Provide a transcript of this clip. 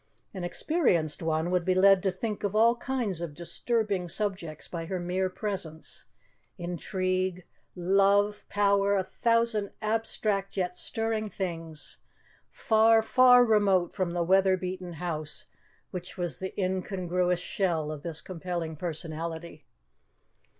An experienced one would be led to think of all kinds of disturbing subjects by her mere presence; intrigue, love, power a thousand abstract yet stirring things, far, far remote from the weather beaten house which was the incongruous shell of this compelling personality.